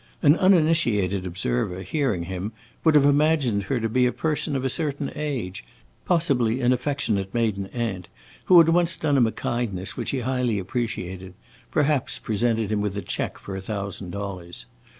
An uninitiated observer, hearing him, would have imagined her to be a person of a certain age possibly an affectionate maiden aunt who had once done him a kindness which he highly appreciated: perhaps presented him with a check for a thousand dollars.